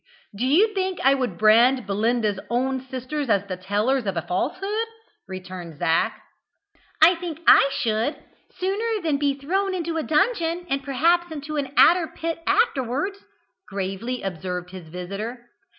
"Do you think I would brand Belinda's own sisters as the tellers of a falsehood?" returned Zac. "I think I should, sooner than be thrown into a dungeon, and perhaps into an adder pit afterwards," gravely observed his visitor.